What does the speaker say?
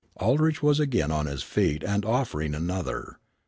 Aldrich was again on his feet and offering another.